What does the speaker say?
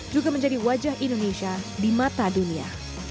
juga menjadi wajah indonesia di mata dunia